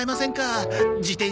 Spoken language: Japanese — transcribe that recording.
自転車の。